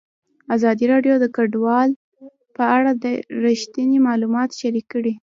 ازادي راډیو د کډوال په اړه رښتیني معلومات شریک کړي.